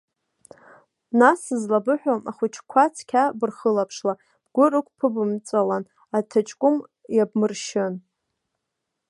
Нас, сызлабыҳәо, ахәыҷқәа цқьа бырхылаԥшла, бгәы рықәԥыбымҵәалан, аҭаҷкәым иабмыршьын.